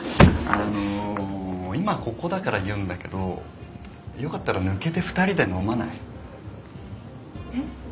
あの今ここだから言うんだけどよかったら抜けて２人で飲まない？え？